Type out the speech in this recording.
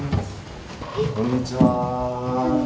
こんにちは。